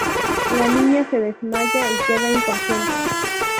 La niña se desmaya y queda inconsciente.